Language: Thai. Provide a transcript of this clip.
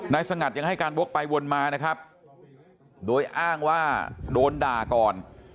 สงัดยังให้การวกไปวนมานะครับโดยอ้างว่าโดนด่าก่อน